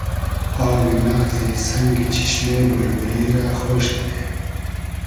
آوی مئغزی سئنگی چیشمې بولبولی رۂ خۉش دیرې